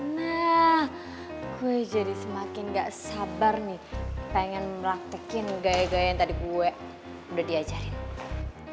nah gue jadi semakin gak sabar nih pengen praktekin gaya gaya yang tadi gue udah diajarin